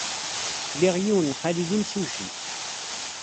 Liɣ yiwen n xali d imsujji.